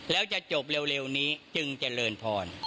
แล้วจะจบเร็วนี้จึงเจริญพร